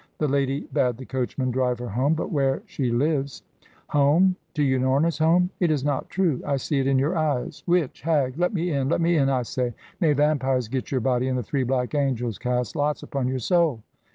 "The lady bade the coachman drive her home but where she lives " "Home? To Unorna's home? It is not true! I see it in your eyes. Witch! Hag! Let me in! Let me in, I say! May vampires get your body and the Three Black Angels cast lots upon your soul!"